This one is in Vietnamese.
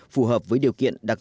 phù hợp với điều kiện đặc biệt